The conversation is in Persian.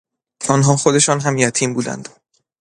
آنها خودشان هم یتیم بودند.